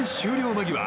間際